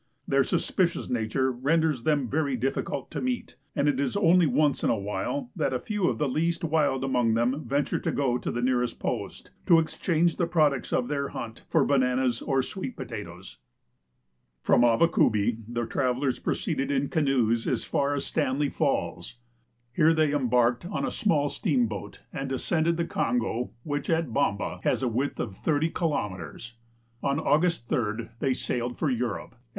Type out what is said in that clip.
Their suspicious nature ren ders them vei y difficult to meet, and it is only once in a while that a few of the least wild among them venture to go to the nearest post to ex change the products of their hunt for bananas or sweet potatoes. From Avakubi the travelers proceeded in canoes as far as Stanley Falls. GEOGRAPinc LlTICIiATrni'T^ \n Here tlioy embarked on a small steamboat ami deseemletl the Konp), which at Bumba has a width of 'M) kiinmetei s. On Aii; riist ."1 they sailed for ICmope, and ]M.